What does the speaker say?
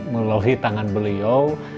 melalui tangan beliau